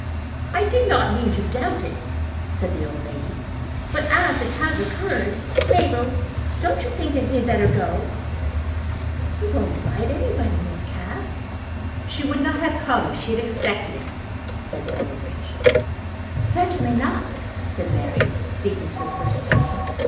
"I did not mean to doubt it," said the old lady. "But as it has occurred, Mabel, don't you think that he had better go?" "He won't bite anybody, Miss Cass." "She would not have come if she had expected it," said Silverbridge. "Certainly not," said Mary, speaking for the first time.